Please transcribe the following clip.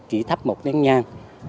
chỉ thắp một nhanh nhan